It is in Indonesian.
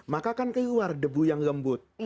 maka akan keluar debu yang lembut